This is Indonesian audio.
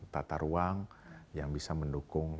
tata ruang yang bisa mendukung